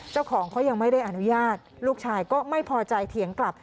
เจ้าของเขายังไม่ได้อนุญาตลูกชายก็ไม่พอใจเถียงกลับ